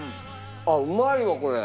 あっうまいわこれ。